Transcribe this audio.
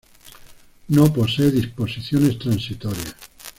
No posee disposiciones transitorias.